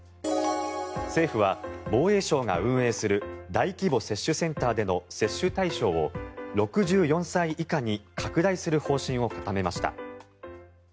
政府は防衛省が運営する大規模接種センターでの接種対象を６４歳以下に拡大する方針を固めました。